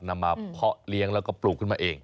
นำมาเพาะเลี้ยงแล้วก็ปลูกขึ้นมาเอง